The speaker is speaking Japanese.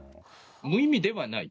無意味ではない。